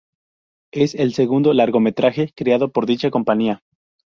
Es el segundo largometraje creado por dicha compañía.